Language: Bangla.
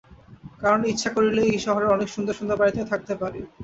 কারণ ইচ্ছা করিলেই এই শহরের অনেক সুন্দর সুন্দর বাড়ীতে আমি থাকিতে পারি।